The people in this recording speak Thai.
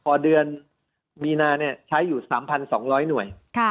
พอเดือนมีนาใช้อยู่๓๒๐๐หน่วย